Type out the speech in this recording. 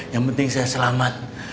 yang penting saya selamat